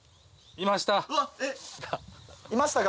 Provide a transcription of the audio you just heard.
いましたか？